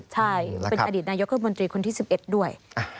ใช่เป็นอดีตนายกรัฐมนตรีคนที่๑๑ด้วย